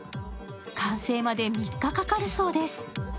完成まで３日かかるそうです。